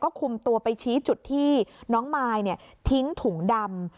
คุมตัวไปชี้จุดที่น้องมายทิ้งถุงดำ